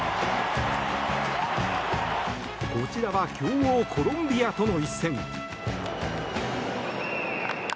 こちらは強豪コロンビアとの一戦。